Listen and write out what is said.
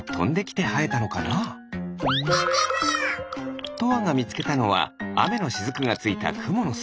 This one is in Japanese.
てんてんもよう！とあがみつけたのはあめのしずくがついたくものす。